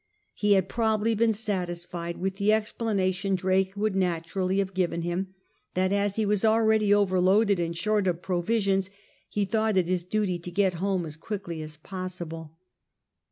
He had probably been satisfied with the explanation Drake would naturally have given him, that, as he was already overloaded and short of provisions, he thought it his duty to get home as quickly as possible.